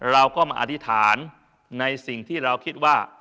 เราก็มาอธิษฐานในสิ่งที่เราคิดว่า